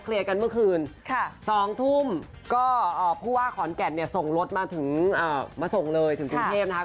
กันเมื่อคืน๒ทุ่มก็ผู้ว่าขอนแก่นเนี่ยส่งรถมาถึงมาส่งเลยถึงกรุงเทพนะคะ